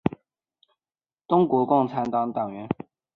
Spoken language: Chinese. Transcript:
况浩文是中国共产党党员。